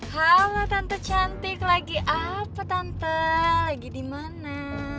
halo tante cantik lagi apa tante lagi dimana